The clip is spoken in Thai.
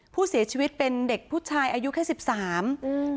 ผู้เสียชีวิตเป็นเด็กผู้ชายอายุแค่สิบสามอืม